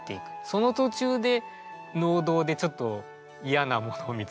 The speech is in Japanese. その途中で農道でちょっとイヤなものを見つけちゃった。